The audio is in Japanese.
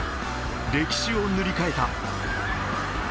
歴史を塗り替えた。